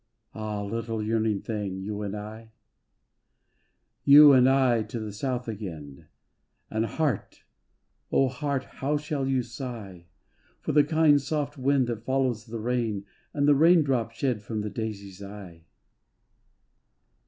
Ah! little yearning thing, you and I? You and I to the South again, And heart ! Oh, heart, how you shall sigh, For the kind soft wind that follows the rain. And the raindrop shed from the daisy's eye.